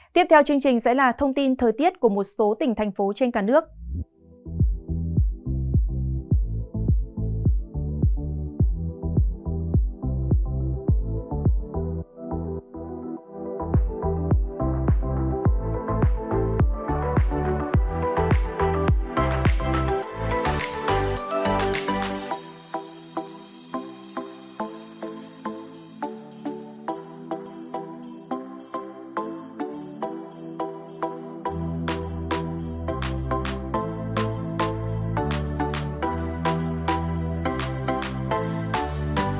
tiếp theo chương trình sẽ là thông tin thời tiết của một số tỉnh thành phố trên cả nước